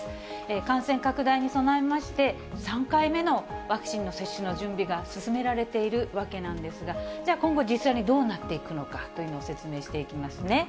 感染拡大に備えまして、３回目のワクチンの接種の準備が進められているわけなんですが、じゃあ、今後、実際にどうなっていくのかというのを説明していきますね。